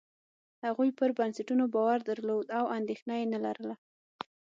هغوی پر بنسټونو باور درلود او اندېښنه یې نه لرله.